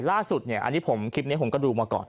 ในคลิปนี้ผมก็ดูมาก่อน